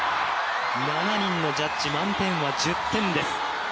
７人のジャッジ満点は１０点です。